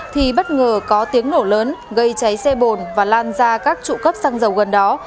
thì bất ngờ có tiếng nổ lớn gây cháy xe bồn và lan ra các trụ cấp xăng dầu gần đó